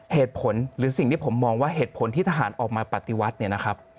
เหตุผลหรือสิ่งที่ผมมองว่าเหตุผลที่ทหารออกมาปฏิวัติเนี่ยนะครับ